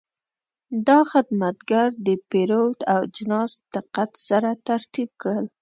دا خدمتګر د پیرود اجناس دقت سره ترتیب کړل.